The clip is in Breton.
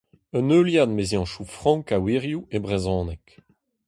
Un heuliad meziantoù frank a wirioù e brezhoneg.